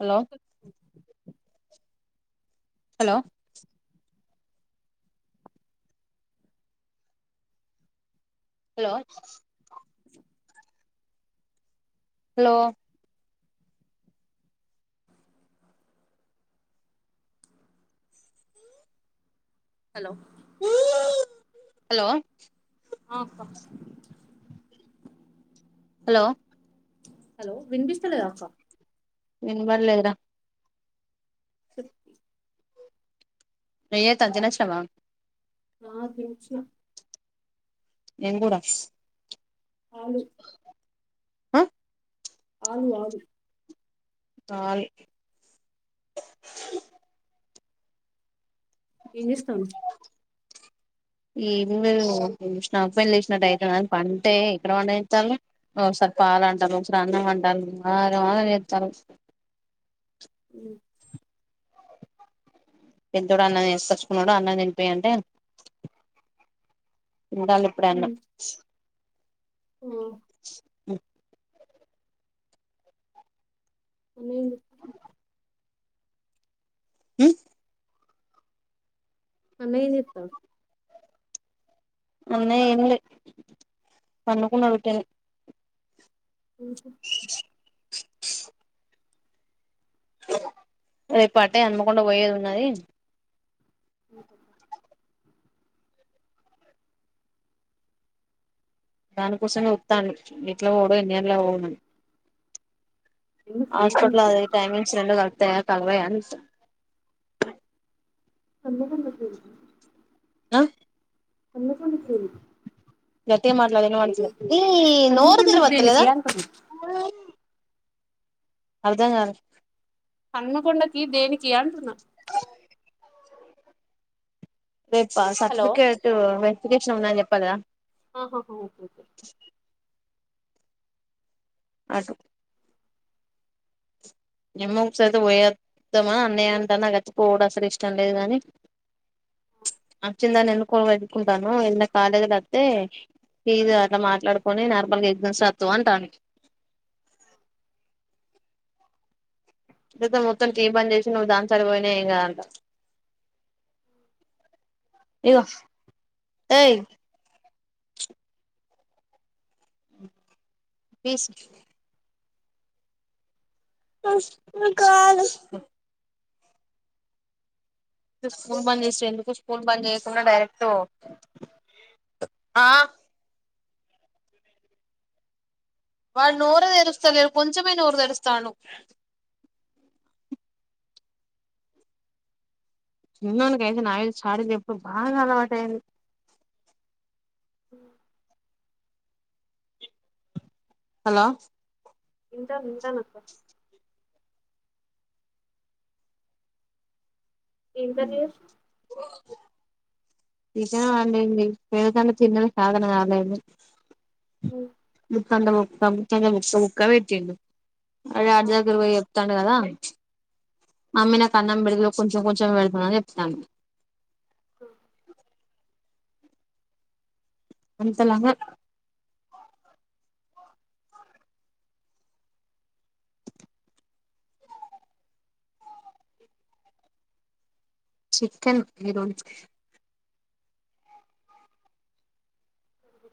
hello hello hello hello hello hello ఆ అక్కా hello hello వినిపిస్తలేదా అక్క వినపల్లేదురా సి దయే తధ్ తినొచ్చినవా వా తినొచ్చినా నేన్ కూడా ఆవును ఆ ఆలు ఆలూ తాలీ ఏం చేస్తాం ఏం లేదు ఇంగ ఆఫ్ బాయిల్ లేసిన డైటు అయప్ప అంటే ఎక్కడ వండనిత్తాళ్ళు ఒకసారి పాల అంటరు ఒకసారి అన్నం అంటరు ఆగం ఆగం చేత్తరూ ఊ పెద్దోడా అన్నం వేసికొచ్చుకున్నాడా అన్నం తినిపీయంటే ఉండాలే అప్పుడే అన్న ఉ అనేండు ఉ అన్నయ్య ఏం చెత్ అన్నయ్య ఏం లేదు పండుకున్నాడు ఉట్టనే ఉహు రేపు అటే హనుమకొండ పోయేది ఉన్నది ఉహు దానికోసమే ఉత్తండు ఎట్లా పోవుడు ఎన్ని గంటలకు పోవుడు ఎందుకు హాస్పట్లా హన్మకొండకు అదే టైమింగ్స్ రెండు కలుత్తయ కల్వయా అని హనుమకొండ వద్దురు ఆ హనుమకొండకూ దేనికి గట్టిగ మాట్లాడు వినబడలేదు ఈ నోరూ తిరూవత్తలేదా ఆ అర్థంకాలే హనుమకొండకి దేనికి అంటున్నా రేపా హలో సర్టిఫికేట్ వెరిఫికేషన్ ఉందని చెప్పాలేదా ఆ హ హా ఓకే ఒక ఆటు ఏమో సతు పోయేద్దామా అన్నయ్య అంటానా గన్ వచ్చతే పోడం అసలు ఇష్టం లేదు గాని అచ్చిందాని ఎన్నుకో వెతుక్కుంటున్నావ్ వెళ్లే కాలేజీలు వస్తతే ఫీస్ అట్లా మాట్లాడుకొని నార్మల్గా ఎగ్జామ్స్ రాస్తావా అంటాని ఇది అయితే మొత్తం టీ పని చేసి నువ్వు దాని కాడికి ఏం కదంటా ఇగో ఏయి పీస్ కాలు స్కూల్ బంద్ చేసేందుకు స్కూల్ బంద్ చేయకుండా డైరెక్ట్ పో ఆ వాడ్ నోరే తెరుసలేడు కొంచెమే నూరు తెరుస్తాడూ చిన్నోనికి అయితే నాయ చాడీలు చెప్పు బాగా అలవాటు అయింది హాలో వింటానా వింటానా ఏం కర్రీ చేసావ్ చికెన్ వండింది మీ కన్నా చిన్నది కాదనగానేమి హు ముత్తండ ఒక బుక్క ముఖ్యంగా ఒక బుక్క పెట్టిండు అదే ఆ, అర్జు దగ్గర పోయి వాత్నాడు కదా మమ్మీ నాకు అన్నం పేడిబిరో కొంచెం కొంచెం పెడుతున్నా అని చెప్పిదంట హు అంతలంగా చికెన్ ఈరోజు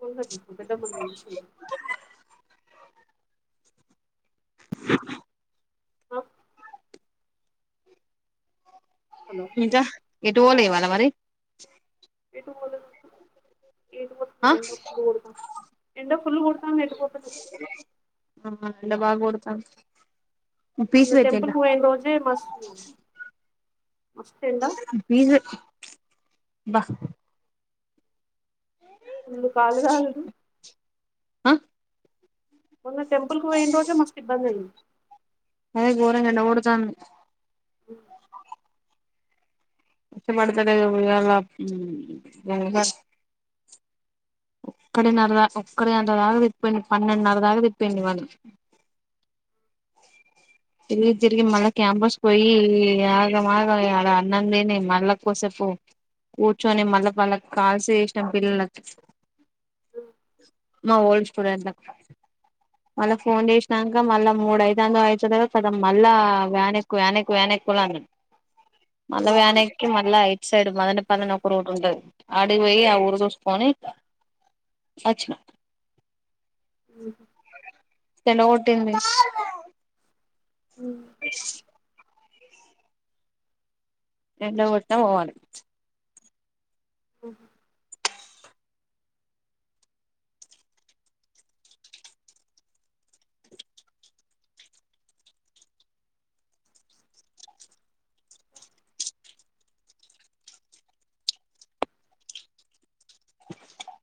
కుండకి పెద్దమ్మ నుచ్చుంది అ హాలో జ ఎటు ఓలే ఇవాళ మరి ఏటు పోలేదు అక్క ఏటు ఆ పోతలే ఎండ ఫుల్ కొడతాన్ ఎండ ఫుల్ కొడతాంది ఎటు పోతతే ఆ ఎండ బాగా గొడతాన్ వునా టెంపుల్ పోయిన రోజే మస్తు మస్తు ఎండ పిజ్ బ్బా ఫుల్లు కాలు కాలిని అ మొన్న టెంపుల్ పోయిన రోజే మస్తు ఇబ్బంది అయింది అదే ఘోరంగా ఎండ కొడతాంది మ్ ఇష్టపడతదే గా ఉయ్యాలా ఒక్కటిన్నరా ఒక్కడే అంతా దాకా తిప్పిండు పన్నెండున్నర దాకా తిప్పిండు ఇవాళే తిరిగి తిరిగి మళ్ళా క్యాంపస్ పోయి ఆగమాగా అయి ఆడ అన్నం తిని మళ్ళా కుసేపు కూర్చొని మళ్ళా వాళ్ళ కాల్స్ చేస్నం పిల్లలకి మా ఓల్డ్ స్టూడెంట్లకు మళ్ళా ఫోన్ చేసినాక మళ్ళా మూడు అయితందో అయితలేదో కదా మళ్ళ వ్యాన్ ఎక్కు వ్యాను ఎక్కు వ్యాన్ ఎక్కు అన్నది మళ్ళ వ్యాన్ ఎక్కి మ మళ్ళ ఇట్ సైడ్ మదన పల్లెనా ఒక రోడ్ ఉంటది అడికి పోయి ఆ ఊరు చూసుకుని అచ్చిన ఉహు చెల్లె కొట్టింది మ్ వి ఎండ గొట్టిన పోవాలె మ్ హు ఓ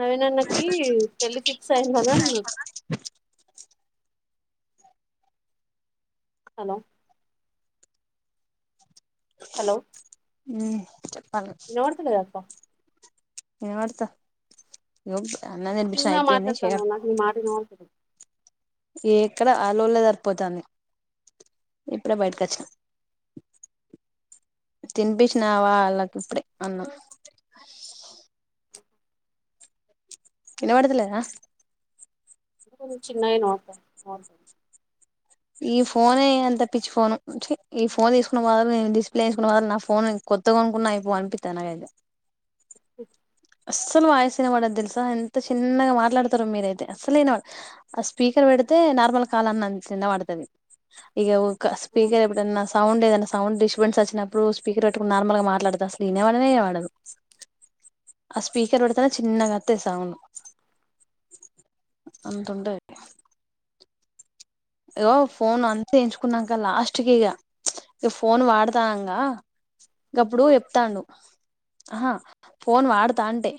నవీనన్నకి పెళ్లి ఫిక్స్ అయిందని అన్నా హలో హలో మ్ చెప్పాలి ఏం లేదక్క ఏమో అత్త ఇగో అన్నం తినిపించిన అయిపోయింది చెయ అది మాటిన్ హాస్పిటల్ ఎక్కడ ఆళ్ళోలే సరిపోతాంది ఇప్పుడే బయటకొచ్చిన తినిపించినవా ఆళ్ళకి ఇప్పుడే అన్నం ఇనబడతలేదా చిన్న అయినవ్ అక్క ఈ ఫోనే అంత పిచ్చి ఫోను ఛీ ఈ ఫోన్ తీసుకున్న మోల నేను డిస్ప్లే ఎసుకున్న వల్ల నా ఫోన్ కొత్తగాకొనుకున్న అయిపో అనిపిస్త నాకైతే ఓక అస్సలు వాయిస్ వినపడదు తెలుసా ఎంత చిన్నగా మాట్లాడతారు మీరైతే అసలేవినవడ ఆ స్పీకర్ పెడితే నార్మల్ కాల్అన్నట్లు విన పడు తది ఇగ ఒక స్పీకర్ ఎప్పుడన్నా సౌండ్ ఏదన్నా సౌండ్ డిస్టబెన్స్ వచ్చినప్పుడు స్పీకర్ పెట్టుకుని నార్మల్గా మాట్లాడత అసలు వినబడనే వినబడదు ఆ స్పీకర్ పెడుతనే చిన్నగత్తె సౌండ్ అంతుంటేది ఇగొ ఫోన్ అంత ఎంచుకున్నాక లాస్ట్ కిగా ఇగ ఫోన్ వాడతానంగా గప్పుడు చెప్తండు ఆహా ఫోన్ వాడతా అంటే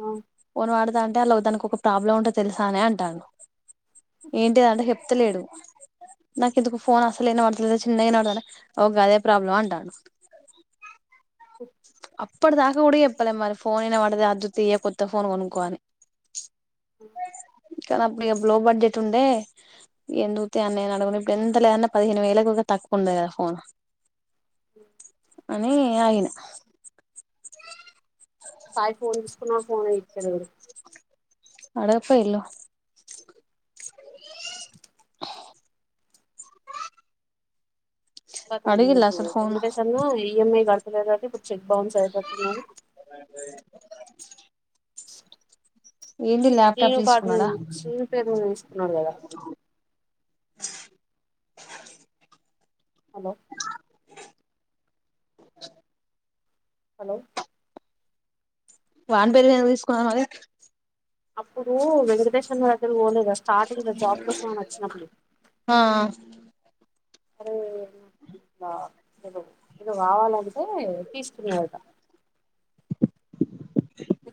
ఆ ఫోన్ వాడదా అంటే అలా దానికి ఒక ప్రాబ్లం ఉంటే తెలుసా అనే అంటా ఏంటి అంటే చెప్తలేడు నాకు ఎందుకు ఫోన్ అసలే వినపడతలే చిన్న వినపడ్తది అంటే ఒ గదే ప్రాబ్లమ్ అంటండు అప్పుడు దాక కూడ చేప్పలే మరి ఫోన్ ఇనవడదే మరి అద్జుతే కొత్త ఫోన్ కొనుక్కో అని ఓ కానీ అప్పుడు ఇక లోబడ్జెట్ ఉండే ఎందుకుతే అని నేనుఅడగలే ఇప్పుడు ఎంతలే దన్న పదిహేను వేలకుకి తక్కు ఉండది కదా ఫోన్ అ అని ఆగిన సాయి ఫోన్ తీసుకున్నాడు ఫోనే ఇత్తలేడు అడగ పెయిళ్లు కతం అడిగిళ్ల ఇటు అసలు ఫోన్ వెంకటేష్ అన్న ఈఎంఐ కడ్తలేదటా ఇప్పుడు చెక్ బౌన్స్ అయ్యేటట్ ఉన్నది అయి ఏంది ల్యాప్టాప్ శ్రీనుపాటిని తీసుకున్నాడా శ్రీని పేరు మీద తీసుకున్నాడు కదా హలో హలో వాని పేరు మీద ఎందుకు తీసుకున్నారు మరి అప్పుడు వెంకటేష్ అన్న దగ్గరికి పోలేదా స్టార్టింగ్ ల జాబ్ కోసం అని వచ్చినప్పుడు ఆ అరే ఎదో ఏదో కావాలంటే తీస్తుకున్నా దట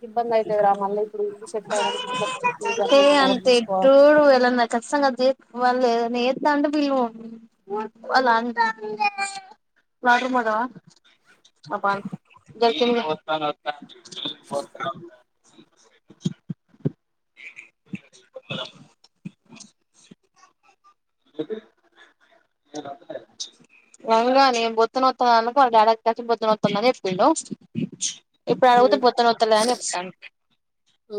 ఇబ్బంది అయితది రా మళ్ళ ఇప్పుడు ఇళ్ళు సెట్ అయిన ఇ అన్నీ నోట్ తీసుకోవి కష్టంగాది వాళ్ళు ఏదన్న చెత్త అంటే విల్లు వాళ్ళు అ జ వంగా నేను బొత్త నోత్తంది అన్నంక వాళ్ళ డాడి దగ్గరికి వచ్చి బొత్త నోత్తందని దని చెప్పిండు ఇప్పుడు అడుగుతే బోత్తనొత్తలేదని చెప్తండు అ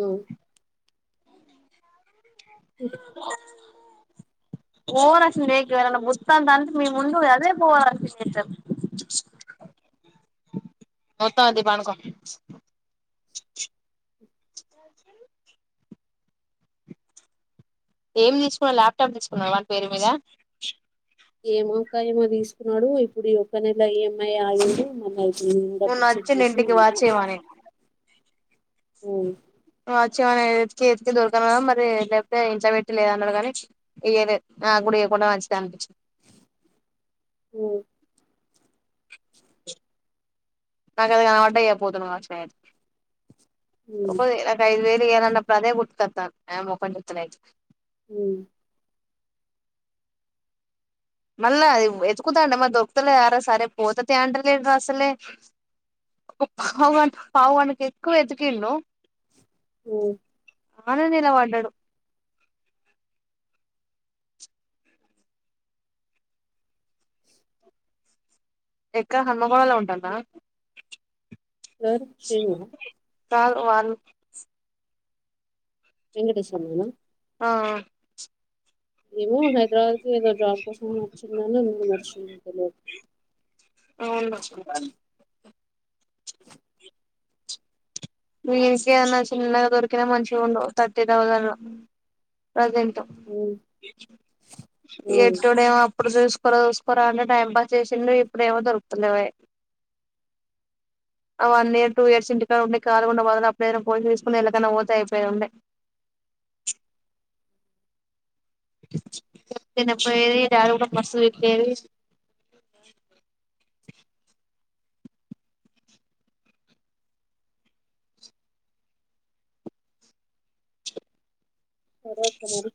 ఓవరాక్షన్ చేయకు ఎవరన్న బూతంత అంటే మీ ముందు ఓవరాక్షన్ చెత్తారు మత్తమంత పానుకు ఎం తీసుకున్నవ్ ల్యాప్టాప్ తీసుకున్నవ వని పేరు మీద ఏమో అక్క ఏమో తీసుకున్నాడు ఇప్పుడు ఈ ఒక్క నెల ఈఎంఐ ఆగింది మళ్ళ మొన్న డబ్బులు సెట్ వచ్చిండు చేసి ఇంటికి వాచ్చేయమని ఆ వచ్చి ఏమన ఎతికి ఎతికి దొరుకన్న మరి లేకపోతే ఇంట్లో పెట్టి లేదన్నరో కానీ ఇయ్యాలే నాకు కూడా ఇయ్య కుంటే మంచిదే అనిపిచ్ మ్ నాకు అది కనపడ్డ ఇయ్యక పోతును కావచ్చు నిను అయితే ఓ పోరి నాక్ నాక్ ఐదు వేలు ఇయ్యలన్నప్పుడు అదే గుర్తుకొతంది ఆమె ముఖం చూస్తే నయితే మ్ మళ్ళ అది వెతుకుతంటేమొ దొరుకుత లేదారా సరే పోతతి అంటలేడుర అసలే పవ్ పావ్ గంటకు ఎక్కువ ఎతికిండు ఆ అన్నే నిల పడ్డాడు ఎక్కడ హన్మకొండల్నే ఉంటండా ఎవరు శ్రీను ఆ కాద్ వాల్ వెంకటేష్ గిన ఆ ఆ మీము హైదరాబాద్ కి ఏదో జాబ్ కోసం నచ్చిందని ఎం వచ్చిందో తెలియదు అవునా దీనికి ఏమన్నా చిన్నగా దొరికినా మంచిగుండు థర్టీ థౌజండ్ ప్రజెంట్ ఇ ఉమ్ వట్టేడెమో ఇప్పుడు చూసుకోరా చూసుకోరా అంటే టైం పాస్ చేసిండు ఇప్పుడు ఏమో దొరుకుత లేవయే ఆ వన్ ఇయర్ టూ ఇయర్స్ ఇంటి కాడుండి కాలిగుండె బధలు అప్పుడేదైనా పోయి తీసుకోని ఎలాకైనా పోతే అయిపోయేది ఉండే చెతె పోయేది డాడీ కూడా మస్తు తిట్టేది సరే అక్క మరి